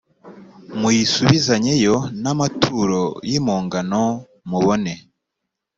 muyisubizanyeyo n amaturo y impongano mubone